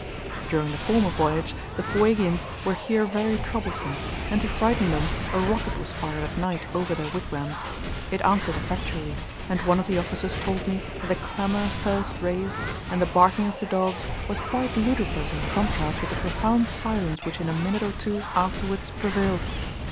During the former voyage the Fuegians were here very troublesome, and to frighten them a rocket was fired at night over their wigwams; it answered effectually, and one of the officers told me that the clamour first raised, and the barking of the dogs, was quite ludicrous in contrast with the profound silence which in a minute or two afterwards prevailed.